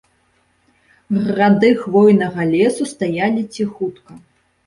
Грады хвойнага лесу стаялі ціхутка.